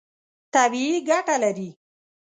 طبیعي ګټه لري.